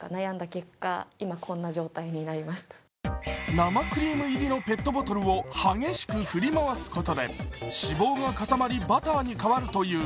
生クリーム入りのペットボトルを激しく振り回すことで脂肪が固まりバターに変わるという。